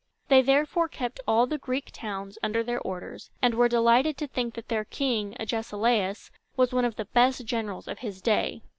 They therefore kept all the Greek towns under their orders, and were delighted to think that their king, A ges i la´us, was one of the best generals of his day.